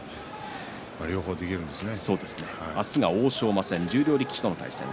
両方できるんですね。